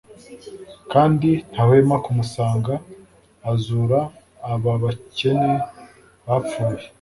Kandi ntahwema kumusanga azura aba bakene bapfuye